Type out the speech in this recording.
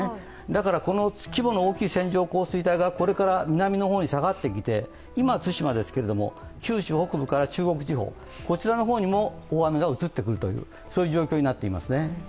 だから、この規模の大きい線状降水帯がこれから南の方に下がってきて今、対馬ですけれども、九州北部から中国地方にも大雨が移ってくる状況になってますね。